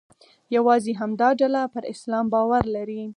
یوازې همدا ډله پر اسلام باور لري.